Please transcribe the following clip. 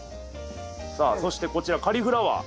さあそしてこちらカリフラワー。